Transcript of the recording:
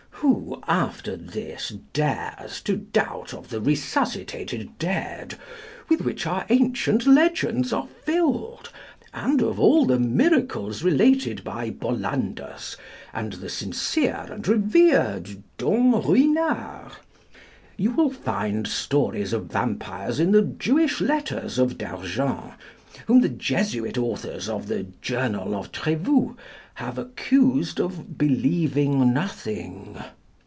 Who, after this, dares to doubt of the resuscitated dead, with which our ancient legends are filled, and of all the miracles related by Bollandus, and the sincere and revered Dom Ruinart? You will find stories of vampires in the "Jewish Letters" of d'Argens, whom the Jesuit authors of the "Journal of Trévoux" have accused of believing nothing.